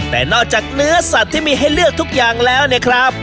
แต่นอกจากเนื้อสัตว์ที่มีให้เลือกทุกอย่างแล้วเนี่ยครับ